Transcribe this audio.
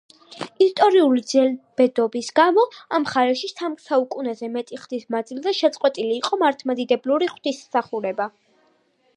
ისტორიული ძნელბედობის გამო ამ მხარეში სამ საუკუნეზე მეტი ხნის მანძილზე შეწყვეტილი იყო მართლმადიდებლური ღვთისმსახურება.